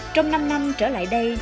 trong năm năm trở lại đây